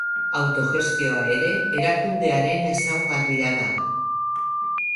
Autogestioa ere erakundearen ezaugarria da.